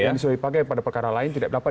yang sudah dipakai pada perkara lain tidak dapat